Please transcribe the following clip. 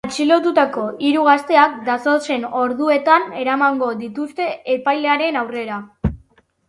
Atxilotutako hiru gazteak datozen orduetan eramango dituzte epailearen aurrera.